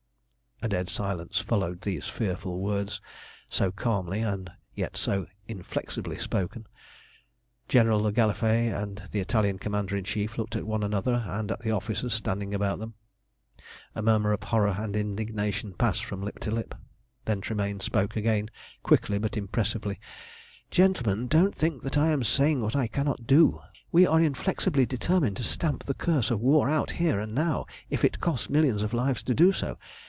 A dead silence followed these fearful words so calmly and yet so inflexibly spoken. General le Gallifet and the Italian Commander in Chief looked at one another and at the officers standing about them. A murmur of horror and indignation passed from lip to lip. Then Tremayne spoke again quickly but impressively "Gentlemen, don't think that I am saying what I cannot do. We are inflexibly determined to stamp the curse of war out here and now, if it cost millions of lives to do so.